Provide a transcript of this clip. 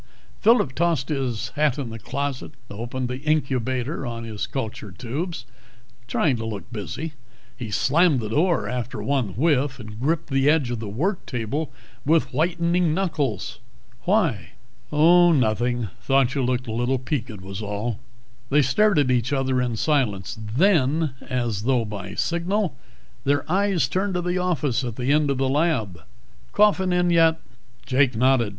Phillip tossed his hat in the closet, opened the incubator on his culture tubes, trying to look busy. He slammed the door after one whiff and gripped the edge of the work table with whitening knuckles. "Why?" "Oh, nothing. Thought you looked a little peaked, was all." They stared at each other in silence. Then, as though by signal, their eyes turned to the office at the end of the lab. "Coffin come in yet?" Jake nodded.